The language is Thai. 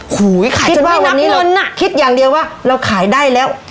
โอ้โหคิดว่าวันนี้คิดอย่างเดียวว่าเราขายได้แล้ว